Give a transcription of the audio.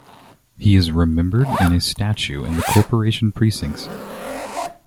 He is remembered in a statue in the Corporation precincts.